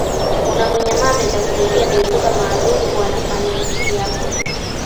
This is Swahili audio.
Unaponyamaza itakusaidia kuwaepuka maadui wa nafanikii yako